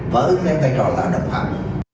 vỡ ứng theo tài trọng là đồng pháp